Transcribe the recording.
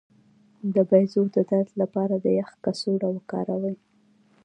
د بیضو د درد لپاره د یخ کڅوړه وکاروئ